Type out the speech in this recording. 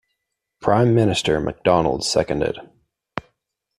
Prime Minister Macdonald seconded.